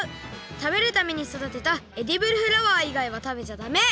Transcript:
食べるために育てたエディブルフラワー以外は食べちゃダメ！